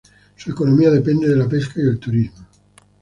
Su economía depende de la pesca y el turismo.